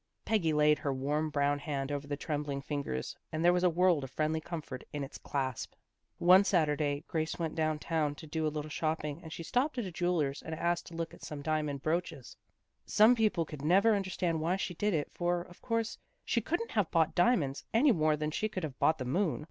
Peggy laid her warm brown hand over the trembling fingers, and there was a world of friendly comfort in its clasp. 248 THE GIRLS OF FRIENDLY TERRACE " One Saturday Grace went down town to do a little shopping, and she stopped at a jeweller's and asked to look at some diamond brooches. Some people could never understand why she did it, for, of course, she couldn't have bought diamonds any more than she could have bought the moon.